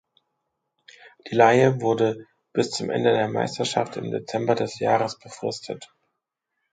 Die Leihe wurde bis zum Ende der Meisterschaft im Dezember des Jahres befristet.